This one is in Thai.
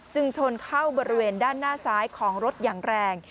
ชนเข้าบริเวณด้านหน้าซ้ายของรถอย่างแรง